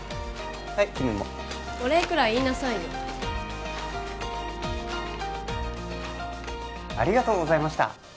はい君もお礼くらい言いなさいよありがとうございました